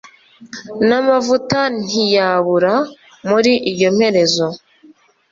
n’amavuta ntiyabura muri iyo mperezo